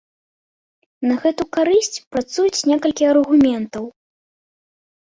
На гэту карысць працуюць некалькі аргументаў.